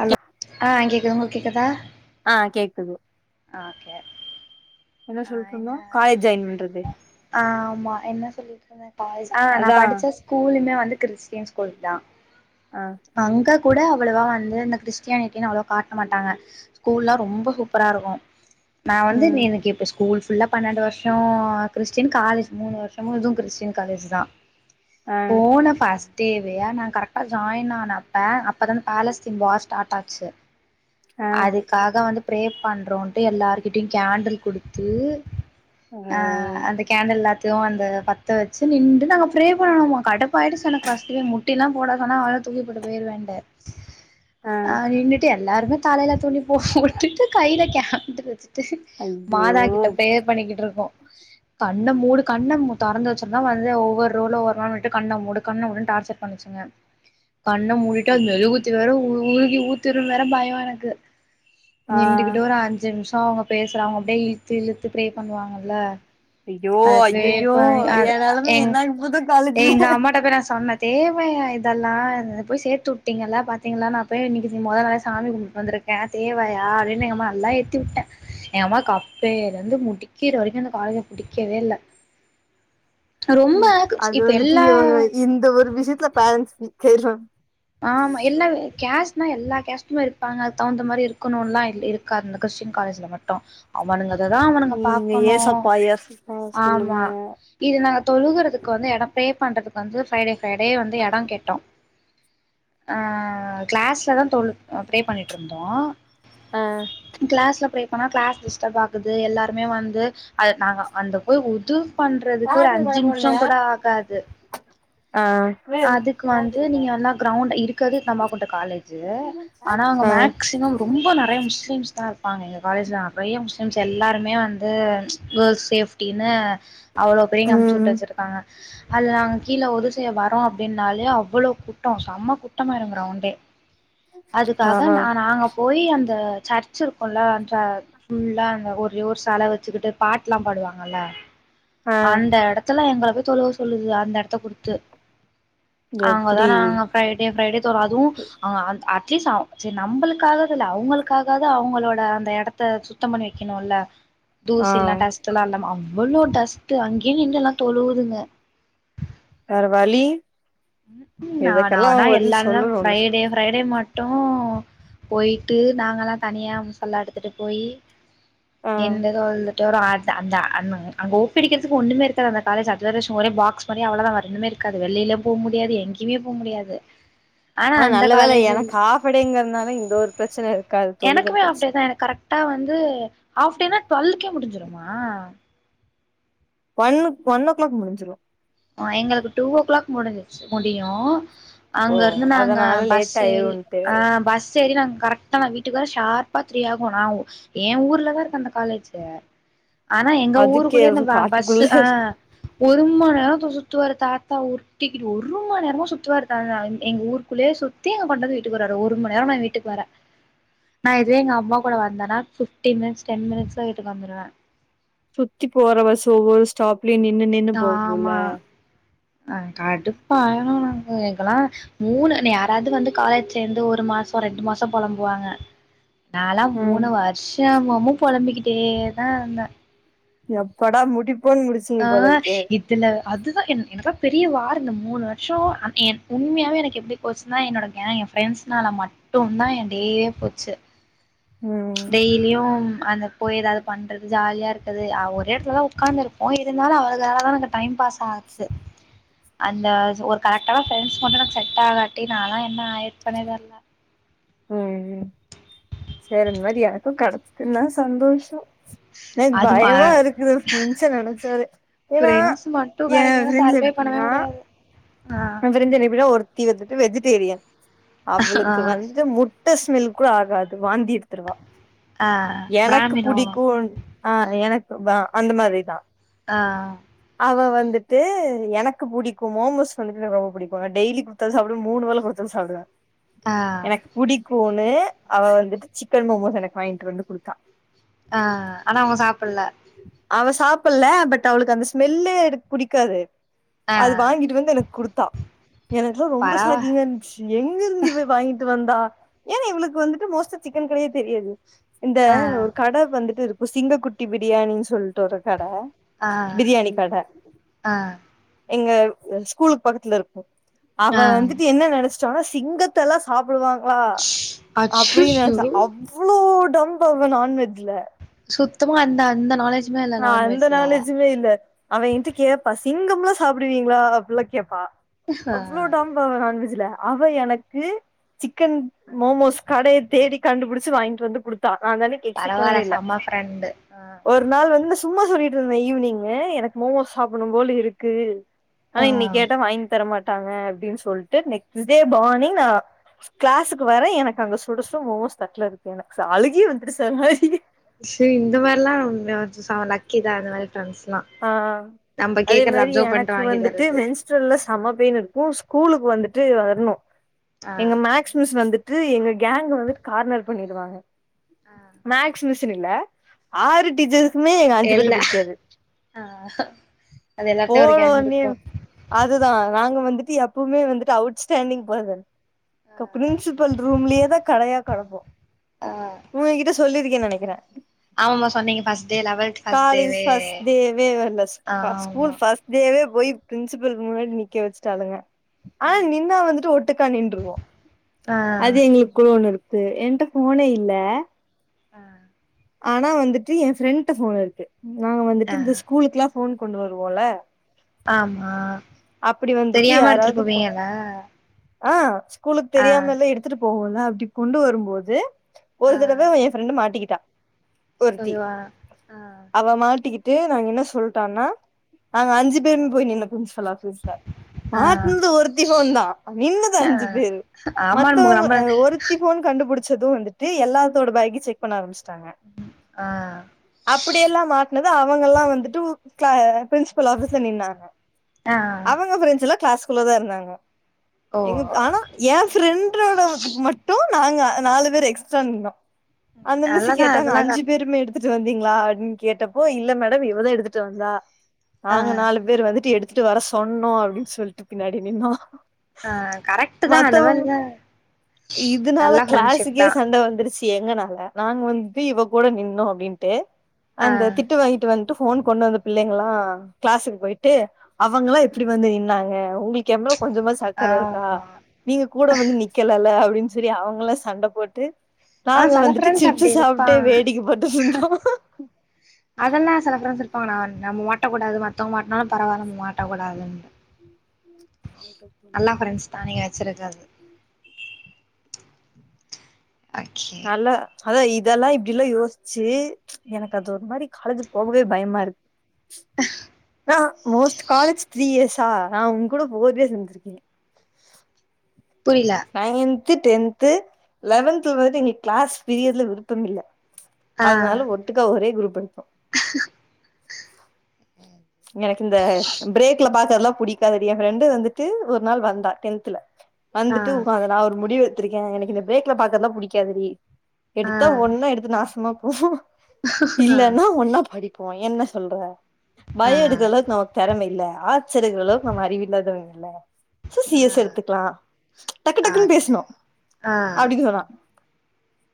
Hello ஆஹ் கேக்குது உங்களுக்கு கேக்குதா ஆ கேக்குது ஆ கே என்ன ஆஹ் சொல்ட்டு இருந்தோ என்ன காலேஜ் ஜாயின் பண்றது ஆஹ் ஆமா ஆஹ் நான் அதா படிச்ச ஸ்கூலுமே வந் கிறிஸ்டியன் ஸ்கூல் தான் ஆ அங்கக் கூட அவ்வளவாவந்து இந்த கிறிஸ்டியானிட்டின்னு அவ்ளவா காட்ட மாட்டாங்க ஸ்கூல்லா ரொம்ப சூப்பரா இருக்கு நான் வந்து ம் நீனக்கே ஸ்கூல் ஃபுல்லா பன்னெண்டு வருஷம் கிறிஸ்டின் காலேஜ் மூணு வருஷமும் இதுவும் கிறிஸ்டின் காலேஜ் தா ஆ போன பாஸ் தேவயா நான் கரக்டா ஜாயினனாப்ப அப்பதா பேலஸ்தீன் வார் ஸ்டார்ட் ஆச்சு ஆ அதுக்காக வந்து ப்ரே பண்றோன்ட்டு எல்லாருகிட்டியும் கேண்டில் குடுத்து ஆ ஆஹ் அந்த கேண்டில்ல த்து அந்த பத்தவச்சு நின்டு நாங்க ப்ரே பண்ணணுமா கடவ் ஃவயிடு சொன்ன ஃபஸ்டு யேர் முட் முட்டிலா போடக்கனா அவள தூக்கிபோட்டு போயிருவேண்ட் ஆ ஆஹ் நின்னட்ட எல்லாருமே தலைல துணி போ போட்டுட்டு கையில கேண்டடிலு வச்சு யிட்டு ஐயோ மாதா கிட்ட பிரேயர் பண்ணிக்கிட்டு இருக்கோ கண்ண மூடு கண்ண மு தொறந்து வெச்சிருந்தா வந்து ஒவ்வொரு ரோல வரோன்னுட்டு கண்ண மூடு கண்ண மூடுன்னு டார்ச்சர் பண்ணுச்சுங்க கண்ண மூடிட்டா மெழுகுவத்தீவேற ஊத் கி ஊத்துருன் வேற பயம் எனக் க்கு ஆ நின்டுகிட்டு ஒரு அஞ்சு நிம்ஷம் அவங்க பேசறாங்க அப்டியே இழுத்து இழுத்து ப்ரே பண்ணுவாங்கல்ல ஐயோ அத ப்ரே ஐயையோ பண் அது நெலம எ எங் என்ன ஆக போதோ காலேஜ்ல எங்க அம்மாகிட்ட கூட சொன்ன தேவையா இதெல்லா இத போய் சேத்துவுட்டீங்கல்ல பாத்தீங்ளா நா போய் இன்னைக்கு மொத நாளே சாமி கும் வந்திருக்கே தேவையா அப்டினு எங்க அம்மா நல்லா ஏத்திவுட்டே எங்க அம்மா அப்பேளந்து முடிக்கிற வரைக்கு அந்த காலேஜ புடிக்கவே இல்ல ரொம்ப உம் அது இப்ப வந்துட்டு எல்லா இவங்க இந்த ஒரு விஷயத்ல பேரண்ட்ஸ் ஃப்ரீ தேட்ராங் ஆமா எல்லா கேஸ்னா எல்லா கேஸ்ட்டுமே இருப்பாங்க அதுக் தகுந்த மாரி இருக்கணும்லா இருக்காது இந்த கிறிஸ்டின் காலேஜ்ல மட்டோ அவனுங்க உம் பாக்கணு ஏசப்பாய [inaudible] ஆமா இது நாங்க தொழுகுறதுக்கு வந்து எடப்பே பண்றது வந்து ஃப்ரைடே ஃப்ரைடே வந்து எடோ கேட்டோ அஹ் கிளாஸ்லதா தொழு ப்ரே பண்ணிட்டிருந்தோ. ஆ க்ளாஸ்ல ப்ரே ஆனா க்ளாஸ் டிஸ்டப் ஆகுது எல்லாருமே வந்து அ நாங்க அந்த போய் உது பண்றதுக்கு ஒரு சார்ஜர் வேற அஞ்சு நிம்ஷோ போடலையா? கூட ஆகாது ஆ அதுக்கு வந்து சார்ஜர் இருக்கா? நீங்க எல்லா க்ரௌண்ட் இருக்கறது தம்மா துண்டு காலேஜூ ஆனா அங்க ஆ மேக்சிமம் ரொம்ப நெறைய முஸ்லிம்ஸ்தா இருப்பாங்க எங்க காலேஜ்ல நெறைய முஸ்லீம் ம்ஸ் எல்லாருமே வந்து கேள்ஸ் ஃசேப் அப்டினு அவ்ளோ பிள்ளைங்க அம்ச்சு விட்டு ம் வெச்சிருக்காங்க அது நாங்க கீழ ஒது செய்ய வரோ அப்டினாலே அவ்ளோ கூட்டோ செம்ம குட்டமாயிரும் க்ரௌண்டே ஆ அதுக்காக ந நாங்க போயி அந்த சர்ச் இருக்குள்ள அந்த ஃபுல்லா அந்த ஒரே ஒரு செல வெச்சுகிட்டு பாட்லா பாடுவாங்க நல்லா ஆ அந்த எடத்ல தொல்லா எங்கள போய் தொழுவ சொல்லுது அந்த எடத்த குடுத்து அங்கதா எப்டி நாங்க ஃப்ரைடே ஃப்ரைடே தொழு அதுவு அவுங்க அந்த அட்லீஸ்ட் அ நம்மளுக்காக இல்ல அவுங்களுக்காகவாது அவங்ளோட அந்த எடத்த சுத்தம் பண்ணி வெக்கிணோமில்ல ஆ தூசிலா டஸ்ட்லா இல்லாம அவ்ளோ டஸ்ட்டு அங்கியே நின்னு எல்லா தொழுவுதுங்க வேற வழி ம் ம் நா இதுக்கெல்லா நானா பதில் எல்லானா சொல்லணும்ல ஃப்ரைடே ஃப்ரைடே மட் ட்டு போயிட்டு நாங்கல்லா தனியா முஸல்லா எடுத்துட்டு போயி ஆ இண்டு தொழ்து அத் அந் அங் அங்க ஓப்பிடிக்கிறதுக்கு ஒண்ணமே இருக்காது அந்த காலேஜ் அது வேரவிஷ் ஒரே பாக்ஸ் பன்னி அவள தா வேரொன்னுமே ருக்காது வெளிலு போ முடியாது எங்க்யுமே போ முடியாது ஆனா அனா அந்த நல்ல வேல காலேஜில் எனக் ஹாஃபடேங்கறத்னால இந்த ஒரு ப்ரச்சன இருக் எனக்குமே அப்டிதா எனக் கரக்ட்டா வந் தூ ஆஃப்டேனா ட்வல்க்கே முடிஞ்சுருமா ஒன்னு ஒன் ஓ க்ளாக் முடிஞ்சுரு ஆ எங்கள்க்கு டூ ஓ க்ளாக் முடிஞ்சுச்சு முடியு ஓ அங்க ருந்து நாங்க அதனால பஸ் லேட் ஏறி ஆயிருன்ட்டு ஆஹ் பஸ் ஏறி நாங் கரக்ட்டா நா வீட்டுக்கு வர ஷார்பா த்ரீ ஆகு நா எ ஊர்லதா இருக் அந்த காலேஜ் ஆனா எங்க அதுக்கே ஊருக்குள்ளயே இந்த வா பஸு காட்டுக்குள்ள ஆஹ் ஒரு மநேர சுத்துவாரு தாத்தா உர்ட்டிகிட்டு ஒரு மநேரமா சுத்துவாரு எங்க ஊருக்குள்ளயே சுத்தி எங்க கொண்டந்து வீட்டுக்கு வராரு ஒரு மநேரொ நா வீட்டுக் வர நா இதுவே எங்க அம்மா கூட வந்தனா ஃபிஃப்டீன் மினிட்ஸ் டென் மினிட்ஸ் ல வீட்டுக் வந்துருவ சுத்தி போற பஸு ஒவ்வொரு ஸ்டாப் லி நின்னு நின்னு போகுல ஆஹ் கடுப்பானுனு எக்கல்லா மூணு யாராவது வந்து காலேஜ் சேந்து ஒரு மாசொ ரெண்டு மாசம் பொலம்புவாங்க நாலா ம் மூணு வர்ஷமு மும் பொலம்பிக்கிட்டே தாந்த எப்படா முடிப் ஆஹ் இதுல அத் துதான் என் எனக்லா பெரிய வார் இந்த மூணு வர்ஷோ என் உண்மையாவே எனக் எப்டி போச்சுன்னா என்னோட கேங் என் ஃப்ரெண்ட்ஸ்னால மட்டுந்தா என் டெய்யே போச்சு ம் டெய்லியு அந்த போய் ஏதாவது பண்றது ஜாலியா இருக்கது ஒரே எடத்துலதா உக்காந்துருப்போ இருந்தாலு அவளுகனால தா எனக்கு டைம் பாஸ் ஆச்சு அந்த ஒரு கரெக்டான ஃப்ரெண்ஸ் மட்டு எனக் செட் ஆகாட்டி நால்லா என்ன ஆயிர்ப்பன்னே தெர்ல செர் ந்த மாரி எனக்கு கடச்சுதுன்னா சந்தோஷோ எனக் அது ம பயமா இருக்குது ஃப்ரெண்ஸ நெனச்சாலே ஏனா ஃப்ரெண்ட்ஸ் மட்டும் எ கெடைக்கலனா ஃப்ரெண்ஸ் சர்வே பண்ணவே எப்புன்னா முடியாது ஆ [unintelligible] என்னவிட ஒர் தி வந்துட்டு வெஜிடேரியன் ஆ அவ்ளுக்கு வந்து மு ட்ட ஸ்மெல் கூட ஆகாது வாந்தி எட்த்துருவா ஆ எனக்கு பிராமினோ புடிக்குன் ஆஹ் எனக்கு வா அந்த மாரிதா ஆஹ் அவ வந்துட்டு எனக்கு புடிக்கு மோமோஸ் வந்துட்டு எனக்கு ரொம்ப புடிக்கு நா டெய்லி குடுத்தாலு சாப்டுவ மூணு வேள குடுத்தாலு சாப்டுவ ஆ எனக்கு புடிக்கும் னு அவ வந்துட்டு சிக்கன் மோமோஸ் எனக்கு வாங்கிட்டு வந்து குடுத்தா ஆ ஆனா அவங்க சாப்பல்ல அவ சாப்பில்ல பட் அவளுக்கு அந்த ஸ்மெல்லு புடிக்காது ஆ அது வாங்கிட்டு வந்து எனக்கு குடுத்தா எனக்குலா ரொம்ப பரவா ஷாக்கிங்காந்துச்சு எங்கிருந்து இ்வ வாங்கிட்டு வந்தா ஏன்னா இவளுக்கு வந்துட்டு மோஸ்ட்டா சிக்கன் கடையே தெரியாது இந்த ஆ ஒரு கட வந்துட்டு இருக் சிங்க குட்டி விட் பிரியாணினு சொல்ட்டு ஒரு கட ஆ பிரியாணி கட ஆ எங்க ஸ்கூல்க்கு பக்கத்ல இருக்கு ஆ அவ வந்துட்டு என்ன நெனச் ஆனா சிங்கத்தெல்லா சாப் ப்டுவாங்களா அப்டின்னு அச்சச்சோ நெனச்ச அவ்ளோ தொம்பா அவ நான்வெஜ்ல சுத்தமா அந்த அந்த நாலேஜுமே இல்ல ஆ அந்த நான்வெஜ்ல நாலேஜுமே இல்ல அவ என்ட்ட கேப்பா ச சிங்கம்லா சாப்டுவீங்களா அப்டில்லா கேப்பா ஆ அவ்ளோ டான் பா அ நான்வெஜ்ல அவ எனக்கு சிக்கன் மோமோஸ் கடைய தேடி கண்டுபிடிச்சு வாங்கிட்டு வந்து குடுத்தா நா அந்த அன்னைக்கு எக்ஸ்பெக்ட் பண்ணவே பரவால்ல இல்ல செம்ம ஃப்ரெண்டு ஆ ஒரு நாள் வந்து இந்த சும்மா சொல்லிட்ருந்தே ஈவினிங்கு எனக்கு மோமோஸ் சாப்டும் போல இருக்கு ஆனா ஆ இன்னை கேட்டா வாங்கி தரமாட் ட்டாங்க அப்டின்னு சொல்ட்டு நெக்ஸ்ட் டே மார்னிங் நா ஆஹ் கிளாஸுக்கு வரே எனக்கு அங்க சுடசட மோமோஸ் தட்ல இருக்கு எனக்கு அழுகே வந்துருச்சு மாரி சரி இந்த மாரிலா அ லக்கிதா அந்த மாரி ஃப்ரெண்ட்ஸ்லா ஆ நம்ம அதே கேக்குறத மாரி அப்சர்வ் பண்ட்டு எனக்கு வாங்கி வந்துட்டு தர்றது மென்ஸ்ட்ரல்ல செம பெயின் இருக்கு ஸ்கூலுக்கு வந்துட்டு ட்டு வரணு ஆ எங்க மேக்ஸ் மிஸ் வந்துட் த்ரீ எங்க கேங் வந்துட் கார்னர் பண்ணிடுவாங்க ஆ மேக்ஸ் மிஸ் இல்ல ஆறு டீச்சர் மே எங்க அஞ்சு பேத்த இல்ல புடிக்காது ஆ அது எல்லாத்துலயு ஒரு போன கேங் ஒட்னே இருக்கு அதுதா நாங் நாங்க வந்துட்டு எப்பவுமே வந்துட்டு அவுட் ஸ்டாண்டிங் பர்சன் கப் பிரின்சிபல் ரூம்லேயே தா கெடையா கெடப்போ ஆ உங்ககிட்ட ஸ் சொல்லிருக்கேனு நெனைக்கிறே ஆமாமா சொன்னீங்க ஃபர்ஸ்டு டே லவல்த் ஃபர்ஸ்ட் டேவே தேவையே இல்ல ஸ் ப்பா ஸ்கூல் ஆமா ஃபர்ஸ்டு டேவே போய் பிரின்சிபலுக்கு முன்னாடி நிக்க வச்சுட்டாளுங்க ஆனா ம் நின்னா வந்துட்டு ஒட்டுக்கா நின்றுருவோ ஆ அது எங்களுக்குள்ள ஒன்னு இருக் த்து என்ட்ட போனே இல்ல அஹ் ஆனா வந்துட்டு ஏ ஃப்ரெண்ட்ட போன் இருக்கு நாங்க வந்துட்டு ஆ இந்த ஸ்கூலுக்கெல்லா போன் கொண்டு வருவோல ஆமா அப்டி வந்துட்டு தெரியாம எடுத்துட்டு யாராவது போவீங்களா ஆ ஸ்கூலுக்கு தெரியாமல்லா எடுத்துட்டு போவோல அப்படி கொண்டு வரும்போது ஆ ஒரு தடவ என் ஃப்ரெண்டு மாட்டிக்கிட்டா ஒருத்தி ஐயோ ஆ அவ மாட்டிக்கி ட்டு நாங்க என்ன சொல்ட்டோன்னா நாங்க அஞ்சு பேரும் போயி நின்னோ ப்ரின்ஸ்பலாட் [unintelligible] ஆ மாட்னது ஒருத்தி போன் தா நின்னது ஆ அஞ்சு பேரு ஆமா நம்ம மத்தவங்க நம்ம அ ஒருத்தி போன் கண்டுபிடிச் சது வந்துட்டு எல்லாத்தோட பேக்கையு செக் பண்ண ஆரம்பிச்சுட்டாங்க ஆ அப்படியெல்லா மாட்னது அவுங்கள்லா வந்துட்டு ஸ்ல ப்ரின்சிபல் ஆஃபீஸ்ல நின்னாங்க ஆ அவங்க ஃப்ரெண்ட்ஸ் எல்லா க்ளாஸ் குள்ளதா இருந்தாங்க ஓ எங்க ஆனா என் ஃப்ரெண்ட்ரடோடது மட்டு நாங்க நாலு பேரு எக்ஸ்ட்ரா நின்னோம் நல்லதா அது அஞ்சு பேருமே எடுத் எடுத்துட்டு வந்தீங்களா அப்டின்னு கேட்டப்போ இல்ல மேடம் இவதா எடுத்துட்டு வந்தா ஆ நாங்க நாலு பேரு வந்துட்டு எடுத் எடுத்துட்டு வர சொன்னோ அப்டின்னு சொல்ட்டு பின்னாடி நின்னோ ஆ கரெக்ட் தா அந்த மத்தவங்க மாரிதா இதனால நல்லா ஃப்ரெண்ட்ஷிப் கிளாஸுக்கே தா சண்ட வந்துருச்சு எங்கனால நாங்க வந் து இவ கூட நின்னோ அப்படின்ட்டு ஆ அந்த திட்டு வாங்கிட்டு வந்து ட்டு ஃபோன் கொண்டு வந்த பிள்ளைங்களா கிளாஸுக்கு போயிட்டு அவங்களா எப்டி வந்து நின்னாங்க உங்ளுக் ஏ மேல கொஞ்சமாச்சு அக்கற இருக்கா? ஆமா நீங்க கூட வந்து நிக்கலல்ல அப்டி அப்டின்னு சொல்லி அவங்கல்லா சண்ட போட்டு நாங்க வந்துட்டு சிப்ஸ் சாப் ஆ, அதெல்லா சில ஃப்ரண்ட்ஸ் இருப்பாங்க நா நம்ம மாட்ட கூடாது மத்தவங்க மாட்னாலு பரவாயில்ல நம்ம மாட்டக் கூடாதுனு நீங்க வச்சிருக்கறது [unintelligible] அச்சே நல்லா அதா இதெல்லா இப்டிலா யோசிச்சு எனக்கு அது ஒரு மாரி காலேஜு போகவே பயமா இருக் ஆ மோஸ்ட் காலேஜ் த்ரீ இயர்ஸ் ஆ நா உங் கூட ஃபோர் டேஸ் இருந்திருக்கேங்க புரில நயன் த்து டென்த்து லெவன்த்து வந்துட்டு எங்களுக் க்ளாஸ் பிறியரதுல விருப்பம் இல்ல ஆ அதனால ஒட்டுக்கா ஒரே குரூப் எடுத்தோம் எனக்கு இந்த ப்ரேக்ல பாக்குறதுலா புடிக்காதுடி என் ஃப்ரெண்டு வந்துட்டு ஒரு நாள் வந்தா டென்த்ல ஆ வந்து டு உ அதனால ஒரு முடிவு ட்ருக்கே எனக்கு இந்த ப்ரேக்ல பாக்குறதுலா பிடிக்காதுடி ஆ எடுத்தா ஒன்னா எடுத்து நாசமா [unintelligible] இல்லன்னா ஒன்னா படி போ என்ன சொல்ற ஆ ஆ பயோ இருக்குறளவுக்கு நமக்கு தெறம இல்ல ஆர்ட்ஸ் எடுக்குற அளவுக்கு நம்ம அறிவில்லாதவங்க இல்ல சோ சி எஸ் ஆ எடுத்துக்கலா டக்கு டக்குன்னு ஓகே பேசனு ஆ அப்படின் சொன்னா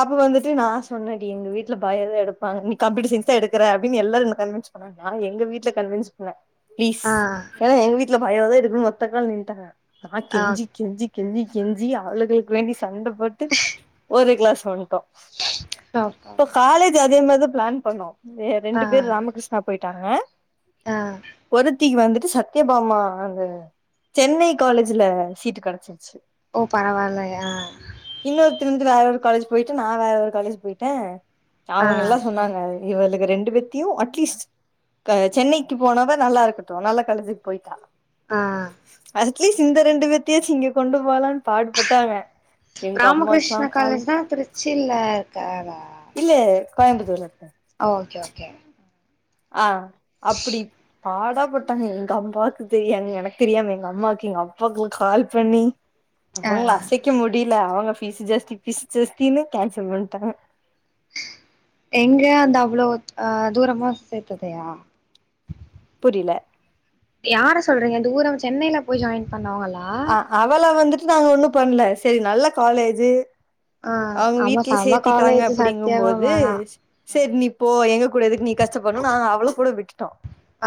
அப்ப வந்துட்டு நா சொன்னடி எங்க வீட்ல பயோதா எடுப்பாங்க நீ கம்ப்யூட்டர்சைன்ஸ் தா எடுக்கற அப்டின்னு எல்லாரு கன்வின்ஸ் பண்ணாங்க நா எங்க வீட்ல கன்வின்ஸ் பண்ணே ப்ளீஸ் ஆ ஆ ஏனா எங்க வீ இல்ல பயோ தா எடுக்குனு ஒத்த கால்ல நின்டாங்க நா கெஞ்சி கெஞ்சி கெஞ்சி கெஞ்சி அவுளுகளுக்கு வேண்டி சண்ட போட்டு ஒரே க்ளாஸ் வன்டோ இப்போ காலேஜி அதே மாரி தா ப்ளான் பண்ணோ ஏ ரெண்டு பேர் ராமகிருஷ்ணா போயிட் ட்டாங்க ஆஹ் திக்கு வந்துட்டு சத்யபாமா அந்த சென்னை காலேஜ்ல சீட் கெடச்சு சு ஓ பரவாயில்லையா இன்னொருத்தி வந்து வேற காலேஜ் போய்ட்டு நா வேற ஒரு காலேஜ் போய்ட்டே ஆ அவுங்க எல்லா சொன்னாங்க அது இவளுக ரெண்டு பேத்தையு அட்லீஸ்ட் சென்னைக்கு போனவாத நல்லாருக்கட்டு நல்ல காலேஜுக்கு போய்ட்டா ஆஹ் ஸ்லீஸ் இந்த ரெண்டு பேத்தயு சிங்க கொண்டு போலான் பாடுபட்டாங்க எங்க அம்மாட்ற ராமகிருஷ்ண கால் காலேஜ் தா திருச்சில இருக்காதா இல்லயே கோயம்புத்தூர்ல கே ஆஹ் அப்டி பாடா போட்டாங்க எங்க அம்பாக்கு தெரியாதுங்க எனக் தெரியாம எங்க அம்மாக்கு எங்க அப்பாக்குளா கால் பண்ணி ஆ அவுங்கள அசைக்க முடில அவு ஃபீஸ் ஜாஸ்தி ஃபீஸ் ஜாஸ்தீன்னு கேன்சல் பண்டாங்க எங்க அந்த அவ்ளோ அஹ் தூரமா சேத்ததையா புரில யார சொல்றீங்க தூரோ சென்னைல போய் ஜாயின் பண்ணுவங்ளா ஆ அவள வந்துட்டு நாங்க ஒன்னு பண்ணல சரி நல்ல காலேஜு ஆ அவுங்க ஆமா வீட்ல செம சேத்திட்டாங்க காலேஜ் சத்தியமா அப்டிங்கம்போது வேணா சரி நீ போ எங்க கூட எதுக் நீ கஷ்ட பட்ணு நா அவள கூட விட்டுட்டோ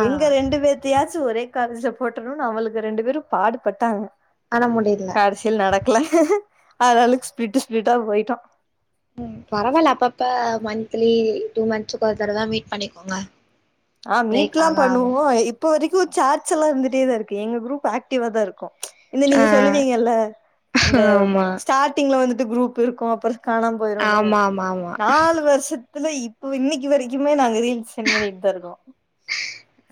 ஆ எங்க ரெண்டு பேத்தயாச்சு ஒரே காலேஜ்ல போட்றனும்னு அவளுக்கு ரெண்டு பேரு பாடு பட்டாங்க ஆனா முடியல காடசில் நடக்கல ஆளாளுக்கு ஸ்பிட்டு் ஸ்பிட்டா போயிட்டோ உம் பரவால அப்பப்ப மந்த்லி டூ மந்த்ஸ்க்கு ஒரு தடவதா மீட் பண்ணிக்கோங்க ஆஹ் பிரேக் மீட்லா ஆகாம பண்ணுவோ இப்ப வரைக் பு சார்ச்சு எல்லா இருந்துட்டே தா இருக்கு எங்க குரூப் ஆக்டிவா தா இருக்கு இந்த ஆ நீங்க சொல்லுவீங்கல்ல இந்த ஆமா ஸ்டார்டிங்ல வந்து குரூப் இருக்கு அப்பறோ காணாம போயிருன்னு ஆமா ஆமா ஆமா நாலு வருஷத்து இத்துல இப்ப இன்னைக்கி வரைக்குமே நாங்க ரீல்ஸ் சென்ட் பண்ணிட்டு தா இருக்கோ கோ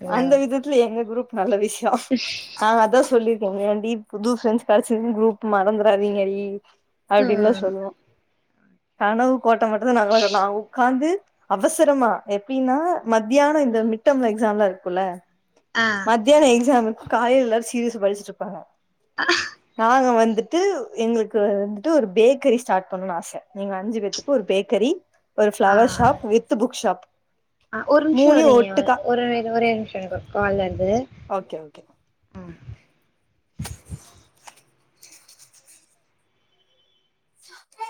நல்லா அந்த விதத்துல எங்க குரூப் நல்ல விஸ் [inaudible] ஆஹ் அதா சொல்லி ஏன்டி புது ஃப்ரெண்ட்ஸ் கடச்சிதுன் குரூப் மறந்துறாதீங்கடி அப்டின்லா ம் சொல்லுவோ கனவு கோட்ட மட்டுந்தா நாங்களா கட்டுனோ அ உக்காந்து அவசரமா எப்டின்னா மத் தியானம் இந்த மிட்டம்ல எக்ஸாம்லா இருக்குல்ல ஆ மதியான எக்ஸாம் காயல எல்லாரு சீரியஸ படிச்சுட்டுருப்பாங்க நாங்க வந் துட்டு எங்களுக்கு வந்துட்டு ஒரு பேக்கிரி ஸ்டார்ட் பண்ணனு ஆச எங்க அஞ்சு பேத்துக்கு ஒரு பேக்கரி ஒரு flower shop with book shop ஆஹ் ஒரு நிமிஷோ இருங்யா ஒரு ஒரே நிமிஷோ இருங்க கால் வருது ஓகே ஓகே ஹ்ம் [inaudible]